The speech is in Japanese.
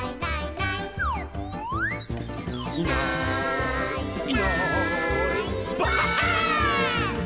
「いないいないばあっ！」